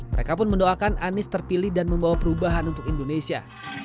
mereka pun mendoakan anies terpilih dan membawa perubahan untuk indonesia